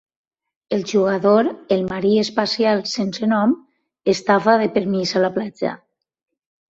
El jugador, el marí espacial sense nom, estava de permís a la platja.